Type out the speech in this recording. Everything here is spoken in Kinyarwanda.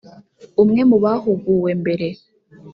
umwe mu bahuguwe mbere